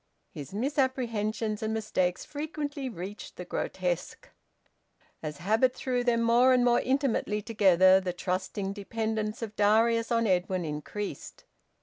His misapprehensions and mistakes frequently reached the grotesque. As habit threw them more and more intimately together, the trusting dependence of Darius on Edwin increased.